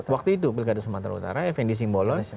waktu itu pilkada sumatera utara fnd simbolon